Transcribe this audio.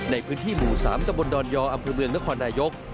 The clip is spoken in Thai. ในพื้นที่หมู่๓ตะบนดอนยออำเภอเมืองนครนายก